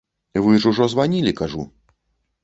Вы ж ужо званілі, кажу.